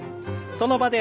その場で。